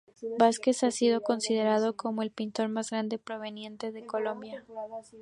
Vásquez ha sido considerado como el pintor más grande proveniente de Colombia.